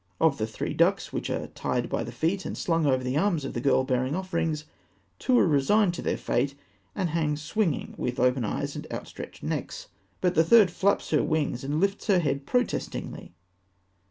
Of the three ducks which are tied by the feet and slung over the arms of the girl bearing offerings, two are resigned to their fate, and hang swinging with open eyes and outstretched necks; but the third flaps her wings and lifts her head protestingly.